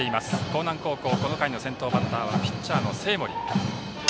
興南高校、この回の先頭バッターピッチャーの生盛。